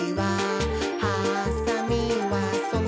「はさみはそのまま、」